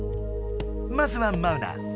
まずはマウナ。